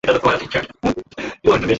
তার উপর থেকে মহিলাদের চক্রান্ত প্রতিহত করলেন।